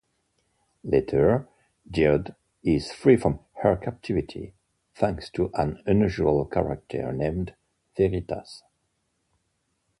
Later, Geode is free from her captivity, thanks to an unusual character named Veritas.